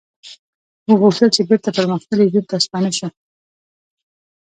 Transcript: موږ غوښتل چې بیرته پرمختللي ژوند ته ستانه شو